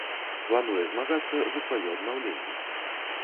Плануе змагацца за сваё аднаўленне.